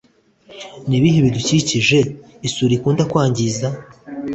ni ibihe bidukikije isuri ikunda kwangiza?